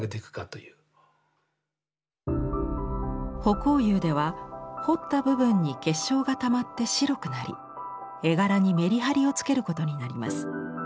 葆光釉では彫った部分に結晶がたまって白くなり絵柄にメリハリをつけることになります。